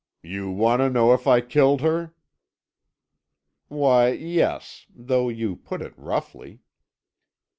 "You want to know if I killed her?" "Why, yes though you put it roughly."